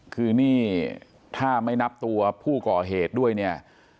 คือนี่ถ้าไม่นับตัวผู้ก่อเหตุด้วยเนี่ย